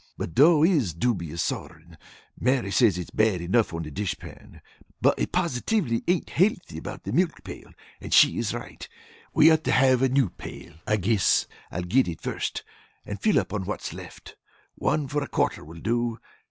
But dough IS dubious soldering. Mary says it's bad enough on the dish pan, but it positively ain't hilthy about the milk pail, and she is right. We ought to have a new pail. I guess I'll get it first, and fill up on what's left. One for a quarter will do.